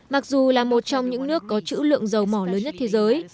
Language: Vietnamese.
mặc dù là một trong những nước có chữ lượng dầu mỏ lớn nhất thế giới